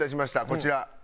こちら。